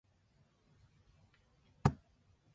The folds are then pressed into place.